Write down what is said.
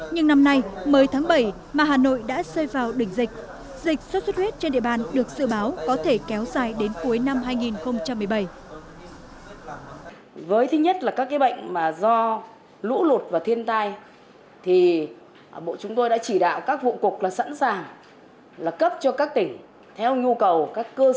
nhưng năm nay mới tháng bảy mà hà nội đã rơi vào đỉnh dịch dịch xuất xuất huyết trên địa bàn được dự báo có thể kéo dài đến cuối năm hai nghìn một mươi bảy